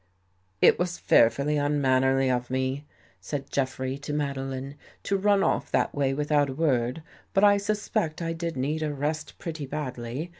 " It was fearfully unmannerly of me," said Jeff rey to Madeline, "to run off that way without a word, but I suspect I did need a rest pretty badly.